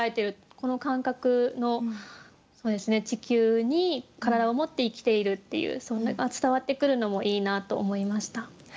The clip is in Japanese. この感覚の地球に体をもって生きているっていうそれが伝わってくるのもいいなと思いました。